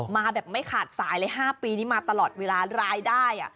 มาแบบไม่ขาดสายเลย๕ปีนี้มาตลอดเวลารายได้